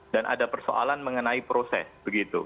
dan ada persoalan mengenai proses begitu